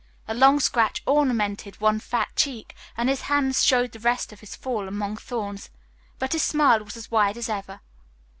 A long scratch ornamented one fat cheek and his hands showed the result of his fall among thorns. But his smile was as wide as ever.